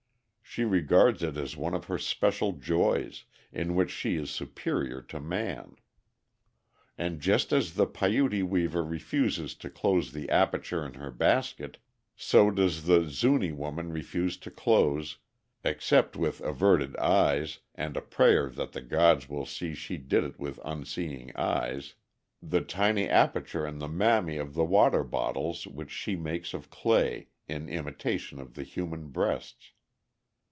She regards it as one of her special joys, in which she is superior to man. And just as the Paiuti weaver refuses to close the aperture in her basket, so does the Zuni woman refuse to close, except with averted eyes and a prayer that the gods will see she did it with unseeing eyes, the tiny aperture in the mammæ of the water bottles which she makes of clay in imitation of the human breasts.